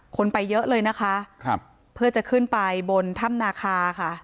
คนไปเยอะเลยนะคะครับเพื่อจะขึ้นไปบนถ้ำนาคาค่ะ